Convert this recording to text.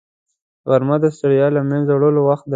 غرمه د ستړیا له منځه وړلو وخت دی